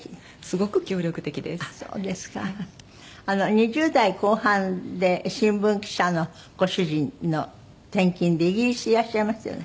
２０代後半で新聞記者のご主人の転勤でイギリスへいらっしゃいましたよね？